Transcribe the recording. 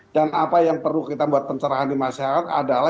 dan apa yang perlu kita buat pencerahan di masyarakat adalah